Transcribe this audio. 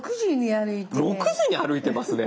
６時に歩いてね。